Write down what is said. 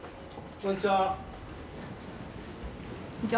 こんにちは。